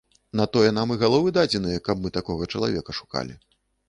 На тое нам і галовы дадзеныя, каб мы такога чалавека шукалі.